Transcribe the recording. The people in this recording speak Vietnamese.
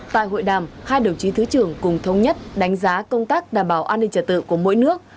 tại hội đàm hai đồng chí thứ trưởng cùng thông nhất đánh giá công tác đảm bảo an ninh trả tự của mỗi nước